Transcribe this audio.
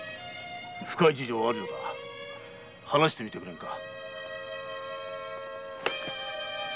深い事情があるなら話してみてくれんか？